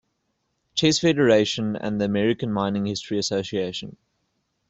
Chess Federation and the American Mining History Association.